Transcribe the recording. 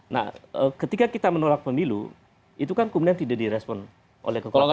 nah ketika kita menolak pemilu itu kan kemudian tidak direspon oleh kekuatan